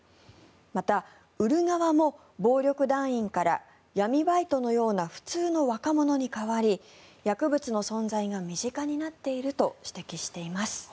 また、売る側も暴力団員から闇バイトのような普通の若者に変わり薬物の存在が身近になっていると指摘しています。